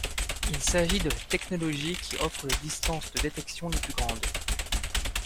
Il s’agit de la technologie qui offre les distances de détection les plus grandes.